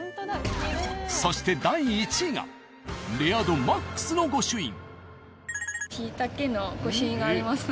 そして第１位がレア度ＭＡＸの御朱印。